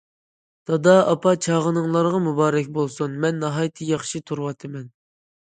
‹‹ دادا، ئاپا چاغىنىڭلارغا مۇبارەك بولسۇن، مەن ناھايىتى ياخشى تۇرۇۋاتىمەن››.